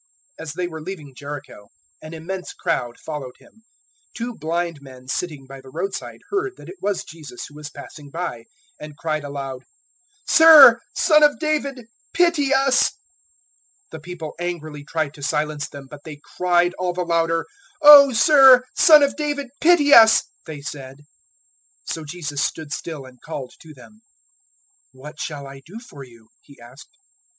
020:029 As they were leaving Jericho, an immense crowd following Him, 020:030 two blind men sitting by the roadside heard that it was Jesus who was passing by, and cried aloud, "Sir, Son of David, pity us." 020:031 The people angrily tried to silence them, but they cried all the louder. "O Sir, Son of David, pity us," they said. 020:032 So Jesus stood still and called to them. "What shall I do for you?" He asked.